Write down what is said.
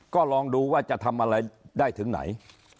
ก็ลองดูว่าจะทำอะไรได้ถึงไหน